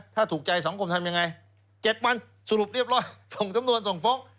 ถ้าถูกใจสังคมทำยังไง๗วันสรุปเรียบร้อยส่งสำนวนส่งฟ้อง